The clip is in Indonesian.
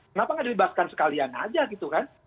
kenapa nggak dibebaskan sekalian aja gitu kan